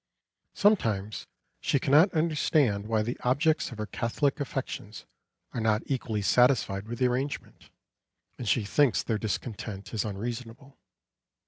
Sometimes she cannot understand why the objects of her catholic affections are not equally satisfied with the arrangement, and she thinks their discontent is unreasonable.